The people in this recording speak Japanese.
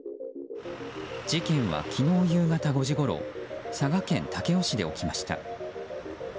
事件は昨日夕方５時ごろ佐賀県武雄市で起きました。